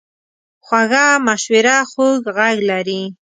خوږه مشوره خوږ غږ لري.